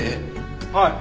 はい。